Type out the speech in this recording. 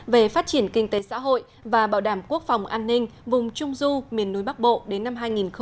về phát triển kinh tế xã hội và bảo đảm quốc phòng an ninh vùng trung du miền núi bắc bộ đến năm hai nghìn hai mươi